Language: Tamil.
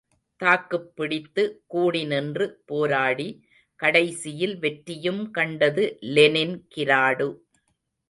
தாக்குப்பிடித்து கூடி நின்று, போராடி, கடைசியில் வெற்றியும் கண்டது லெனின் கிராடு.